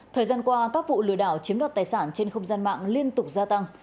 thời gian qua các vụ lừa đảo chiếm đoạt tài sản trên không gian mạng liên tục gia tăng